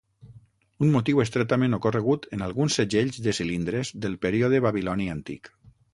Un motiu estretament ocorregut en alguns segells de cilindres del període babiloni Antic .